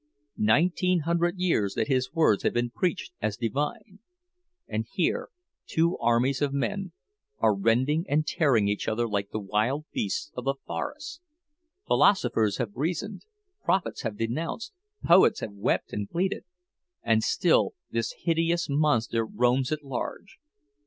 Nineteen hundred years that his words have been preached as divine, and here two armies of men are rending and tearing each other like the wild beasts of the forest! Philosophers have reasoned, prophets have denounced, poets have wept and pleaded—and still this hideous Monster roams at large!